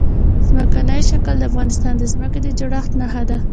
ځمکنی شکل د افغانستان د ځمکې د جوړښت نښه ده.